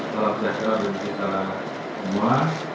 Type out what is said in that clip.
salam sejahtera bagi kita semua